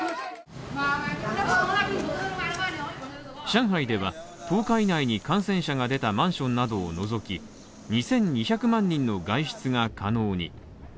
上海では１０日以内に感染者が出たマンションなどを除き２２００万人の外出が可能に。